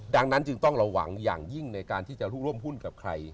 ดังนั้นจึงต้องระวังอย่างยิ่งในการที่จะร่วมหุ้นกับใคร